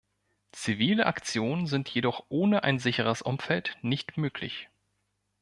Zivile Aktionen sind jedoch ohne ein sicheres Umfeld nicht möglich.